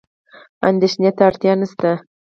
اندېښنې ته اړتیا نشته.